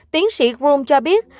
tiến sĩ grum cho biết